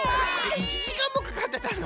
１じかんもかかってたの？